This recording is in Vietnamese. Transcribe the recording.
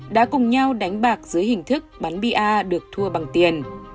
đã cùng nhau đánh bạc dưới hình thức bắn bia được thua bằng tiền